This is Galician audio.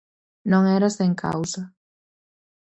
Non era sen causa.